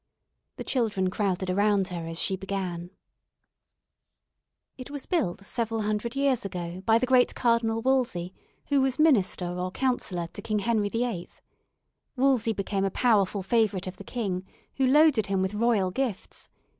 The children crowded around her as she began: "It was built several hundred years ago by the great Cardinal Wolsey who was minister or councillor to King Henry VIII. Wolsey became a powerful favourite of the king, who loaded him with royal gifts.